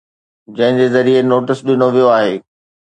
جنهن جي ذريعي نوٽيس ڏنو ويو آهي